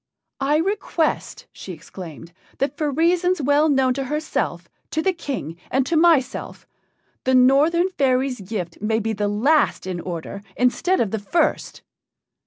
"I request," she exclaimed, "that for reasons well known to herself, to the King, and to myself, the Northern fairy's gift may be the last in order instead of the first."